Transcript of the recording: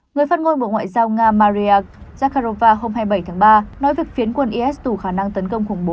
người phát ngôn bộ ngoại giao nga maria zakharova hôm hai mươi bảy tháng ba nói việc phiến quân is tù khả năng tấn công khủng bố